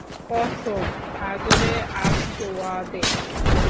কসম হাজরে আসওয়াদের।